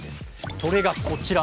それがこちら。